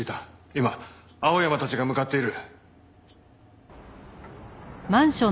今青山たちが向かっている。